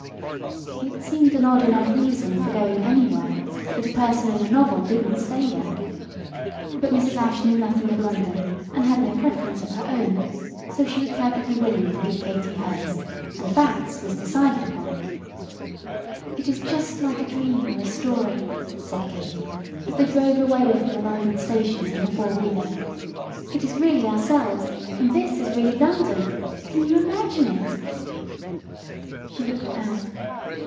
It seemed an odd enough reason for going anywhere that a person in a novel didn't stay there. But Mrs. Ashe knew nothing of London, and had no preference of her own; so she was perfectly willing to give Katy hers, and Batt's was decided upon. "It is just like a dream or a story," said Katy, as they drove away from the London station in a four wheeler. "It is really ourselves, and this is really London! Can you imagine it?" She looked out.